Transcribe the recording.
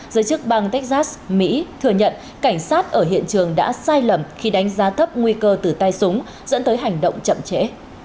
giới chức bang texas mỹ thừa nhận cảnh sát ở hiện trường đã sai lầm khi đánh giá thấp nguy cơ từ tay súng dẫn tới hành động chậm trễ